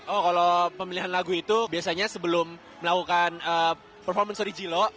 oh kalau pemilihan lagu itu biasanya sebelum melakukan performance sorry jilo